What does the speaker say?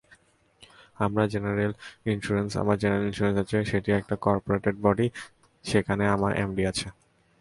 আমার general insurance আছে, সেটি একটি করপোরেট বডি, সেখানে আমার এমডি আছে।